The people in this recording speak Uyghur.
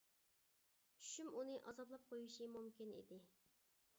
چۈشۈم ئۇنى ئازابلاپ قويۇشى مۇمكىن ئىدى.